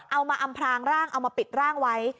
เอามาอำพลางร่างเอามาปิดร่างไว้